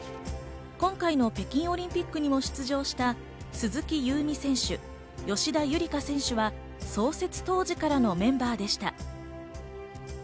今回の北京オリンピックにも出場した鈴木夕湖選手、吉田夕梨花選手は創設当時からのメンバーでした。